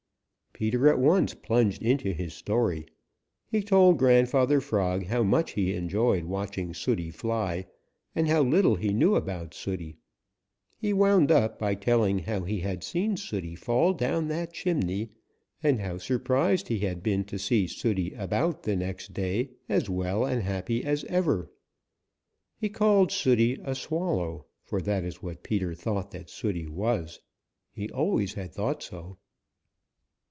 Peter at once plunged into his story. He told Grandfather Frog how much he enjoyed watching Sooty fly and how little he knew about Sooty. He wound up by telling how he had seen Sooty fall down that chimney and how surprised he had been to see Sooty about the next day as well and happy as ever. He called Sooty a Swallow, for that is what Peter thought that Sooty was. He always had thought so.